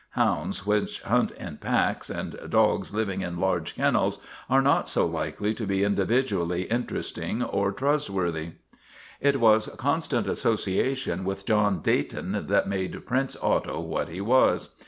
Hounds which hunt in packs and dogs living in large kennels are not so likely to be individually interesting or trustworthy. It was constant association with John Dayton that made Prince Otto what he was.